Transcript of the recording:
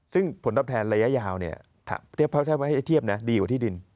ซึ่งผลตอบแทนละย้าวเนี่ยเพราะถ้าแพร่เทียบนะดีกว่าที่ดิน